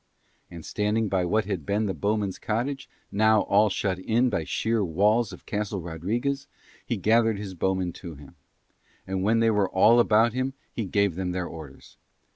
And standing by what had been the bowmen's cottage, now all shut in by sheer walls of Castle Rodriguez, he gathered his bowmen to him. And when they were all about him he gave them their orders.